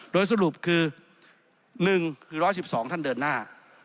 โดยสรุปคือ๑คือ๑๑๒ท่านเดินหน้า